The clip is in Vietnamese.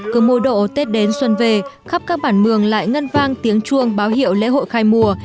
cứ mỗi độ tết đến xuân về khắp các bản mường lại ngân vang tiếng chuông báo hiệu lễ hội khai mùa